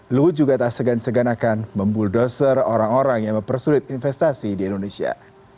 luhut juga tak segan segan akan membuldoser orang orang yang mempersulit investasi di indonesia